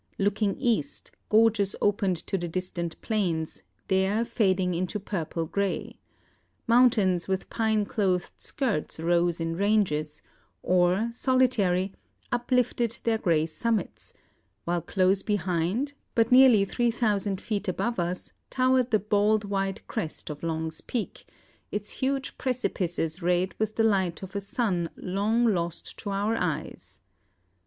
Looking east, gorges opened to the distant plains, there fading into purple grey. Mountains with pine clothed skirts rose in ranges, or, solitary, uplifted their grey summits; while close behind, but nearly 3,000 feet above us, towered the bald white crest of Long's Peak, its huge precipices red with the light of a sun long lost to our eyes.